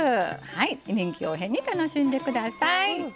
臨機応変に楽しんでください。